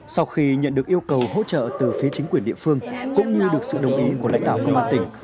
sau khi nhận được yêu cầu hỗ trợ từ phía chính quyền địa phương cũng như được sự đồng ý của lãnh đạo công an tỉnh